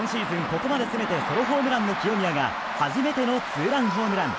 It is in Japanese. ここまで全てソロホームランの清宮が初めてのツーランホームラン。